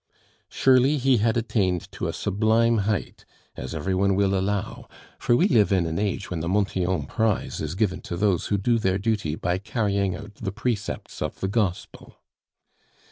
Surely he had attained to a sublime height, as every one will allow, for we live in an age when the Montyon prize is given to those who do their duty by carrying out the precepts of the Gospel.